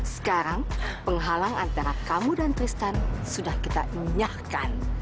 sekarang penghalang antara kamu dan tristan sudah kita enyahkan